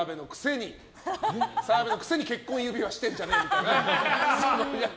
澤部のくせに結婚指輪してんじゃねえみたいな。